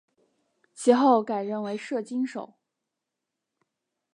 其后改任为摄津守。